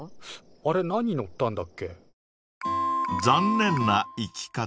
あれ何乗ったんだっけ？